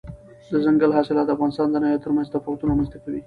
دځنګل حاصلات د افغانستان د ناحیو ترمنځ تفاوتونه رامنځته کوي.